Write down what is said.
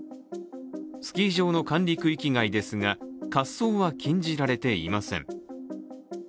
スキー場の管理区域外ですが滑走は禁じられていません。